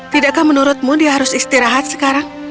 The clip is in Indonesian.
tidakkah menurutmu dia harus istirahat sekarang